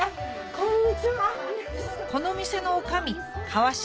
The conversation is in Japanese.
こんにちは。